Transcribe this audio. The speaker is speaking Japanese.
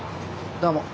どうも。